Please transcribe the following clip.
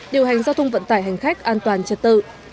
điều hành giao thông vận tải hành khách an toàn trật tự